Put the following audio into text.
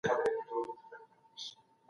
په ټولنه کي د خلګو په اړه ناسم قضاوت کېږي.